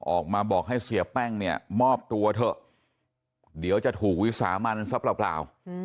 ออกมาบอกให้เสียแป้งเนี่ยมอบตัวเถอะเดี๋ยวจะถูกวิสามันซะเปล่า